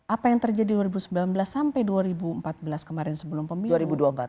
apa yang terjadi dua ribu sembilan belas sampai dua ribu empat belas kemarin sebelum pemilu